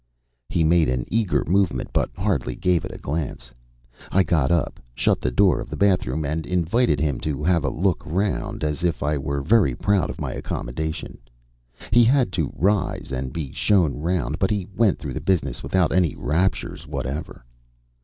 He made an eager movement, but hardly gave it a glance. I got up, shut the door of the bathroom, and invited him to have a look round, as if I were very proud of my accommodation. He had to rise and be shown round, but he went through the business without any raptures whatever.